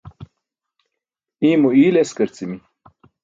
Iymo iyl eskarci̇mi̇.